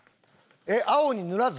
青に塗らず？